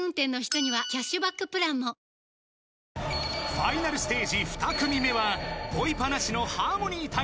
［ファイナルステージ２組目はボイパなしのハーモニー隊］